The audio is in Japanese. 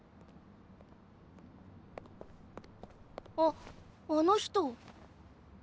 あっあの人。